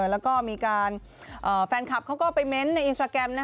แล้วก็มีการแฟนคลับเขาก็ไปเม้นต์ในอินสตราแกรม